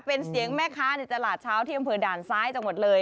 เป็นเสียงแม่ค้าในตลาดเช้าที่อำเภอด่านซ้ายจังหวัดเลย